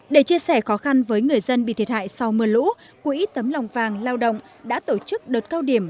để chia sẻ khó khăn với người dân bị thiệt hại sau mưa lũ quỹ tấm lòng vàng lao động đã tổ chức đợt cao điểm